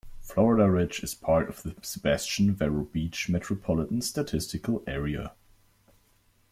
Florida Ridge is part of the Sebastian-Vero Beach Metropolitan Statistical Area.